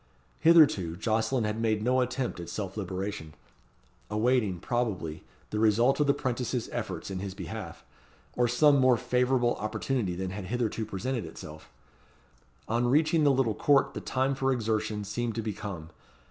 Hitherto Jocelyn had made no attempt at self liberation; awaiting, probably, the result of the 'prentices' efforts in his behalf, or some more favourable opportunity than had hitherto presented itself. On reaching the little court the time for exertion seemed to be come.